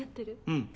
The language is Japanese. ・うん。